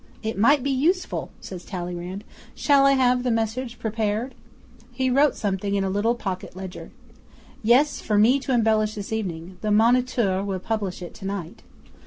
'"It might be useful," says Talleyrand. "Shall I have the message prepared?" He wrote something in a little pocket ledger. '"Yes for me to embellish this evening. The MONITEUR will publish it tonight."